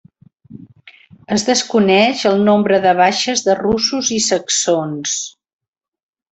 Es desconeix el nombre de baixes de russos i saxons.